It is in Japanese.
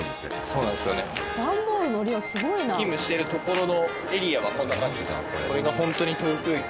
勤務してる所のエリアはこんな感じ。